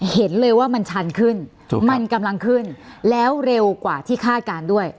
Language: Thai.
เห็นเลยว่ามันชันขึ้นมันกำลังขึ้นแล้วเร็วกว่าที่คาดการณ์ด้วย